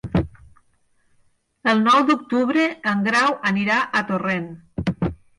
El nou d'octubre en Grau anirà a Torrent.